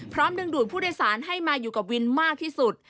ดึงดูดผู้โดยสารให้มาอยู่กับวินมากที่สุด